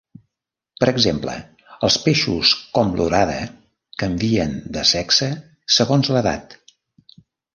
Per exemple els peixos com l'orada canvien de sexe segons l'edat.